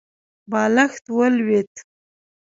بالښت ولوېد.